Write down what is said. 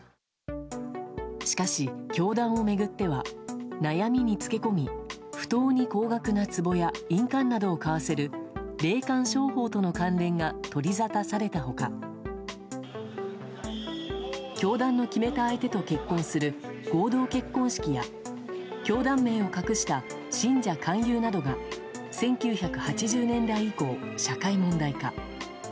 しかし、教団を巡っては悩みにつけ込み不当に高額なつぼや印鑑などを買わせる霊感商法との関連が取りざたされた他教団の決めた相手と結婚する合同結婚式や教団名を隠した信者勧誘などが１９８０年代以降、社会問題化。